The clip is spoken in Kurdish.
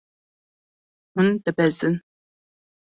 Hûn dibezin.